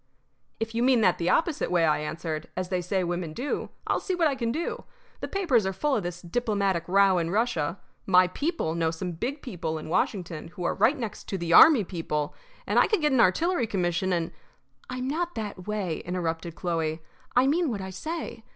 "If you mean that the opposite way," I answered, "as they say women do, I'll see what I can do. The papers are full of this diplomatic row in Russia. My people know some big people in Washington who are right next to the army people, and I could get an artillery commission and " "I'm not that way," interrupted Chloe. "I mean what I say.